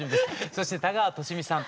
そして田川寿美さん